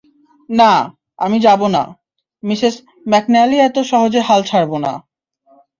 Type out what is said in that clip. না, আমি যাবো না, মিসেস ম্যাকন্যালি এত সহজে হাল ছাড়ব না।